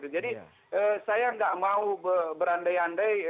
jadi saya nggak mau berandai andai